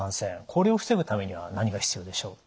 これを防ぐためには何が必要でしょう？